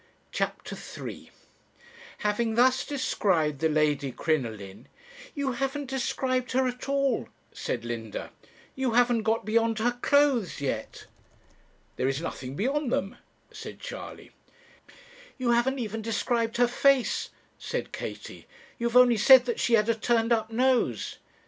"CHAPTER III "Having thus described the Lady Crinoline " 'You haven't described her at all,' said Linda; 'you haven't got beyond her clothes yet.' 'There is nothing beyond them,' said Charley. 'You haven't even described her face,' said Katie; 'you have only said that she had a turned up nose.'